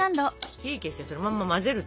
火消してそのまま混ぜる！